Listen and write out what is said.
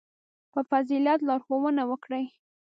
• په فضیلت لارښوونه وکړئ.